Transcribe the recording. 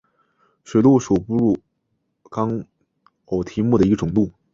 水鹿属哺乳纲偶蹄目的一种鹿。